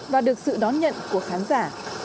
và được sự đón nhận của khán giả